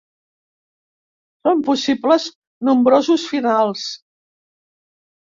Són possibles nombrosos finals.